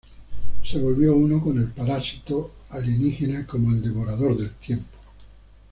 Se volvió uno con el parásito alienígena como el "Devorador del Tiempo".